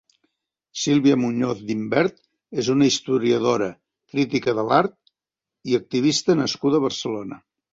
Sílvia Muñoz d'Imbert és una historiadora, critica de l'art i activista nascuda a Barcelona.